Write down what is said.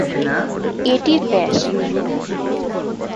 এটির ব্যাস।